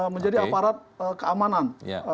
menjadi aparat keamanan